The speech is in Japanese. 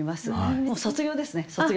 もう卒業ですね卒業。